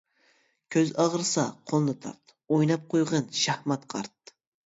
كۆز ئاغرىسا قولنى تارت، ئويناپ قويغىن شاھمات، قارت.